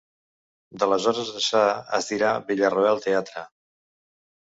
D'aleshores ençà es dirà Villarroel Teatre.